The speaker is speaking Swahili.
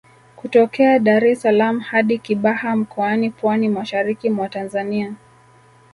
Kutokea Dar es salaam hadi Kibaha Mkoani Pwani mashariki mwa Tanzania